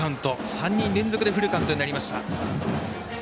３人連続フルカウントになりました。